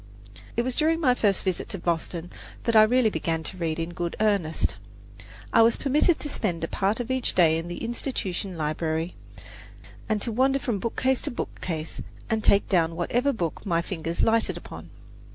It was during my first visit to Boston that I really began to read in good earnest. I was permitted to spend a part of each day in the Institution library, and to wander from bookcase to bookcase, and take down whatever book my fingers lighted upon.